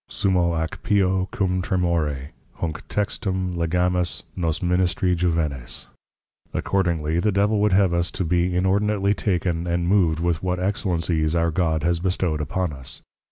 _ (Summo ac Pio cum Tremore Hunc Textum Legamus nos Ministri Juvenes!) Accordingly, the Devil would have us to be inordinately taken and moved with what Excellencies our God has bestowed upon us.